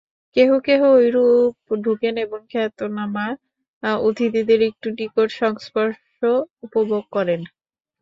কেহ কেহ ঐরূপ ঢুকেন এবং খ্যাতনামা অতিথিদের একটু নিকট সংস্পর্শ উপভোগ করেন।